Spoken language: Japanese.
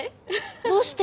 どうして？